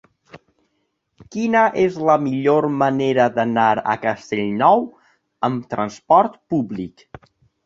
Quina és la millor manera d'anar a Castellnou amb transport públic?